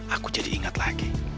aku jadi ingat lagi